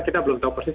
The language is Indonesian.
kita belum tahu persis